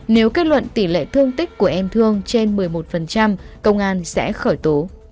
nếu kết luận tỷ lệ thương tích của em thương trên một mươi một công an sẽ khởi tố